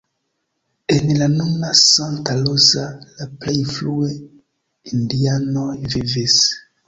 En la nuna Santa Rosa la plej frue indianoj vivis.